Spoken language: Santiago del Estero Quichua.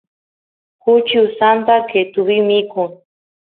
kuchi usanta qetuvi mikun